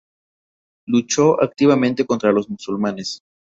Luchó activamente contra los musulmanes.